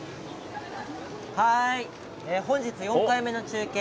本日４回目の中継。